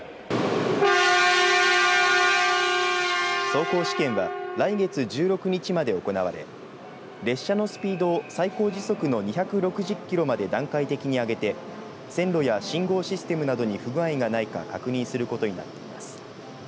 走行試験は来月１６日まで行われ列車のスピードを最高時速の２６０キロまで段階的に上げて線路や信号システムなどに不具合がないか確認することになっています。